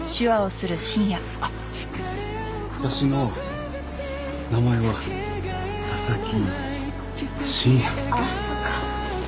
あっ私の名前は佐々木深夜です。